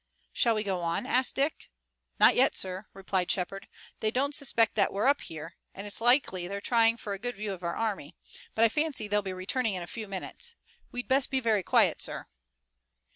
"Shall we go on?" asked Dick. "Not yet, sir," replied Shepard. "They don't suspect that we're up here, and it's likely they're trying for a good view of our army. But I fancy they'll be returning in a few minutes. We'd best be very quiet, sir."